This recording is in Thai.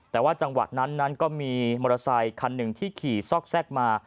แต่ว่าจังหวะนั้นนั้นก็มีมอเตอร์ไซคันหนึ่งที่ขี่ซอกแทรกมา